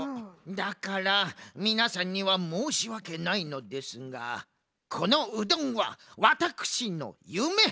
だからみなさんにはもうしわけないのですがこのうどんはワタクシのゆめ！